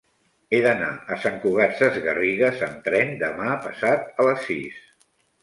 He d'anar a Sant Cugat Sesgarrigues amb tren demà passat a les sis.